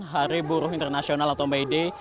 hari buruh internasional atau may day